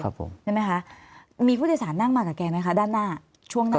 ใช่ไหมคะมีผู้โดยสารนั่งมากับแกไหมคะด้านหน้าช่วงหน้า